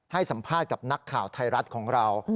ให้สัมภาษณ์กับนักข่าวไทยรัฐของเรา